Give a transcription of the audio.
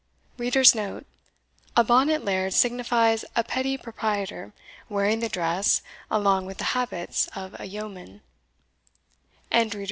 * A bonnet laird signifies a petty proprietor, wearing the dress, along with the habits of a yeoman.